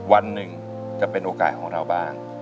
วันหนึ่งจะเป็นโอกาสของเราบ้าง